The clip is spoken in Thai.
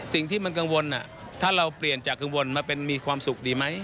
สิ่งที่มันกังวลถ้าเราเปลี่ยนจากกังวลมาเป็นมีความสุขดีไหม